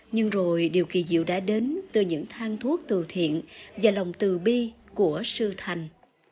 nhưng rồi điều kỳ diệu đã đến từ những thang thuốc từ thiện và lòng từ bi của sư thành